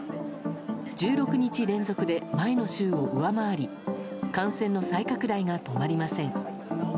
１６日連続で前の週を上回り感染の再拡大が止まりません。